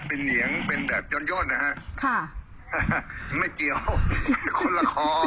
เป็นเหนียงเป็นแบบย่อนย่นนะฮะค่ะไม่เกี่ยวคนละคร